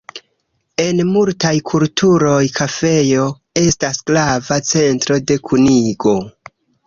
En multaj kulturoj kafejo estas grava centro de kunigo.